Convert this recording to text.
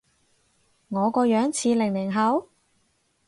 我個樣似零零後？